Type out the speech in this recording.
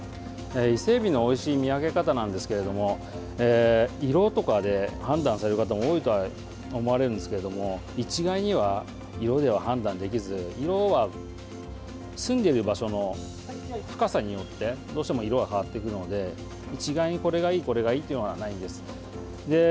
伊勢えびのおいしい見分け方なんですけれども色とかで判断される方も多いと思われるんですけれども一概には色では判断できず色はすんでいる場所の深さによってどうしても色が変わってくるので一概にこれがいいこれがいいというのはないんです。